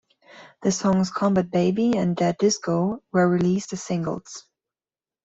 The songs "Combat Baby" and "Dead Disco" were released as singles.